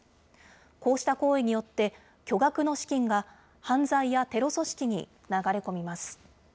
こうした行為によって、巨額の資金が犯罪やテロ組織に流れ込みます。